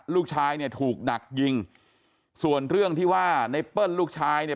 ลูกชายเนี่ยถูกดักยิงส่วนเรื่องที่ว่าไนเปิ้ลลูกชายเนี่ย